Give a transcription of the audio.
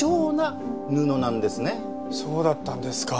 そうだったんですか。